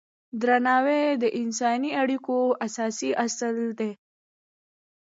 درناوی د انساني اړیکو اساسي اصل دی.